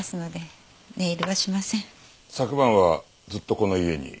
昨晩はずっとこの家に？